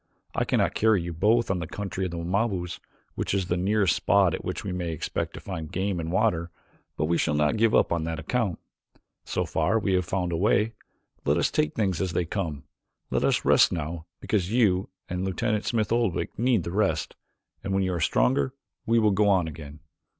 I cannot carry you both to the country of the Wamabos, which is the nearest spot at which we may expect to find game and water, but we shall not give up on that account. So far we have found a way. Let us take things as they come. Let us rest now because you and Lieutenant Smith Oldwick need the rest, and when you are stronger we will go on again."